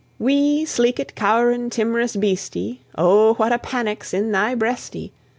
Wee, sleekit, cow'rin', tim'rous beastie, Oh, what a panic's in thy breastie!